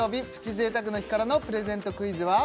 贅沢の日からのプレゼントクイズは？